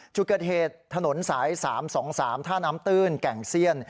จุดเกิดเหตุถนนสาย๓๒๓ท่าน้ำตื้นแก่งเซียน